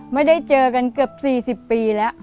ไม่ได้เจอกันเกือบ๔๐ปีแล้ว